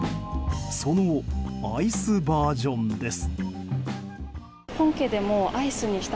そのアイスバージョンです。